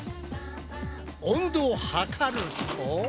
温度をはかると？